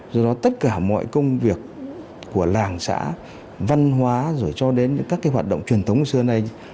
do đó tất cả mọi công việc của làng xã văn hóa rồi cho đến các hoạt động truyền thống xưa nay